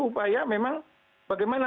upaya memang bagaimana